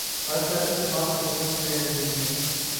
ہر سیاسی جماعت حکومت میں رہی ہے۔